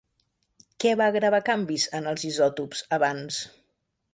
Què va gravar canvis en els isòtops abans?